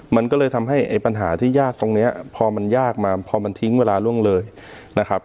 มันก็เลยทำให้ไอ้ปัญหาที่ยากตรงนี้พอมันยากมาพอมันทิ้งเวลาล่วงเลยนะครับ